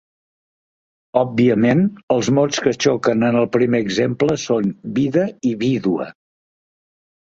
Òbviament els mots que xoquen en el primer exemple són vida i vídua.